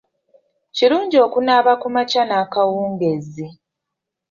Kirungi okunaaba ku makya n'akawungeezi.